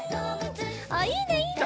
あっいいねいいね！